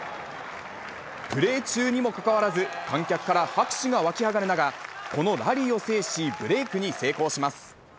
プレー中にもかかわらず、観客から拍手が沸き上がる中、このラリーを制し、ブレークに成功します。